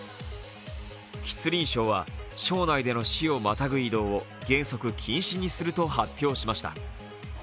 吉林省は省内での市をまたぐ移動を原則禁止にすると発表しました。